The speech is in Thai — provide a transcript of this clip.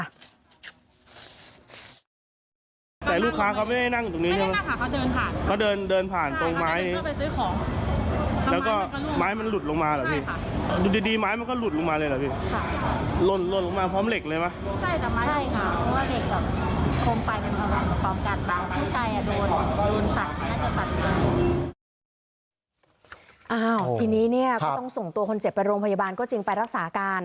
อ้าวทีนี้เนี่ยก็ต้องส่งตัวคนเจ็บไปโรงพยาบาลก็จริงไปรักษาการ